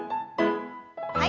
はい。